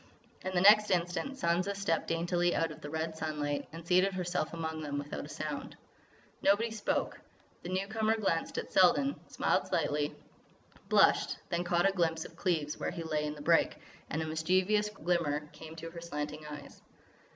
And the next instant Sansa stepped daintily out of the red sunlight and seated herself among them without a sound. Nobody spoke. The newcomer glanced at Selden, smiled slightly, blushed, then caught a glimpse of Cleves where he lay in the brake, and a mischievous glimmer came into her slanting eyes.